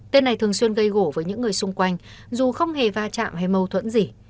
tên này thường xuyên gây gổ với những người xung quanh dù không hề va chạm hay mâu thuẫn gì